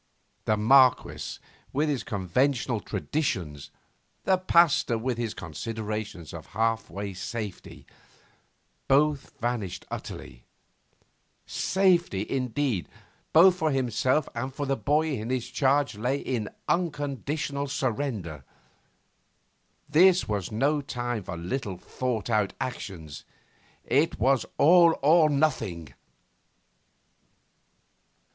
The Marquess with his conventional traditions, the Pasteur with his considerations of half way safety, both vanished utterly; safety, indeed, both for himself and for the boy in his charge lay in unconditional surrender. This was no time for little thought out actions. It was all or nothing!